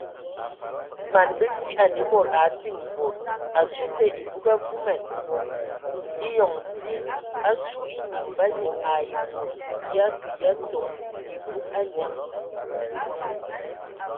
Man bəti anə a mod a diŋ bad asu te ebug avuman eyɔŋ dzi asu enyiŋ ba nyiŋ ai bod ya kə ya toŋ ebug anyaŋ.